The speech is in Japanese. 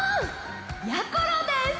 やころです！